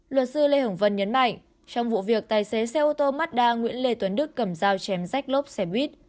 luật sư lê hồng vân nhấn mạnh trong vụ việc tài xế xe ô tô mazda nguyễn lê tuấn đức cầm dao chém rách lốp xe buýt